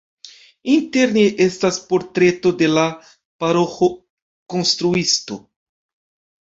Interne estas portreto de la paroĥo-konstruisto.